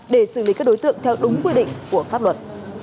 để xử lý các đối tượng theo đúng quy định của pháp luật